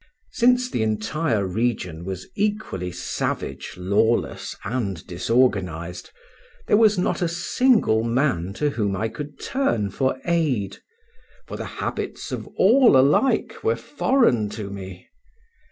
Since the entire region was equally savage, lawless and disorganized, there was not a single man to whom I could turn for aid, for the habits of all alike were foreign to me.